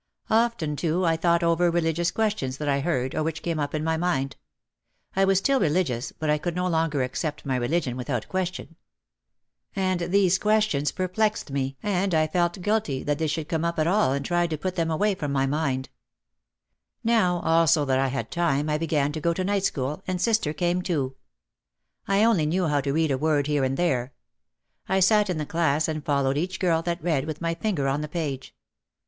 Often too I thought over religious questions that I heard or which came up in my mind. I was still religious but I could no longer accept my religion without ques tion. And these questions perplexed me and I felt guilty 198 OUT OF THE SHADOW that they should come up at all and tried to put them away from my mind. Now also that I had time I began to go to night school and sister came too. I only knew how to read a word here and there. I sat in the class and followed each girl that read, with my finger on the page.